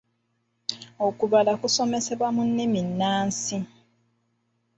Okubala kusomesebwa mu nnimi nnansi.